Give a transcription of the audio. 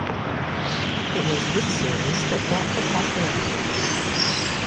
It was this series that brought her popularity.